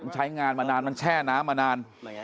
ใช้งานมานานมันแช่น้ำมานาน